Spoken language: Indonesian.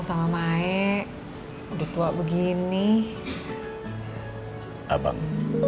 sama mae udah tua begini abang